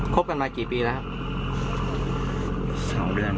คบกันมากี่ปีแล้ว